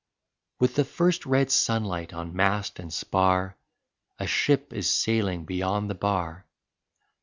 With the first red sunlight on mast and spar A ship is sailing beyond the bar.